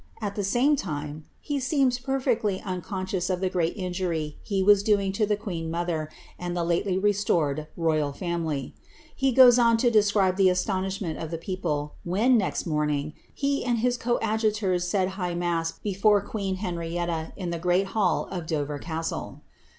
At the same time, he seems perfectly unconscious of the great injury he was doing to the (liioen mother, and the lately restored royal family. He goes on to de scriho tlie astonishment of the people, when, next morning, he and bis ('(Kidjntors said high mass before queen Henrietta, in the great hall of Dover castle.